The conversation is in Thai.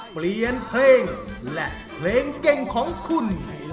เปลี่ยนเพลงและเพลงเก่งของคุณ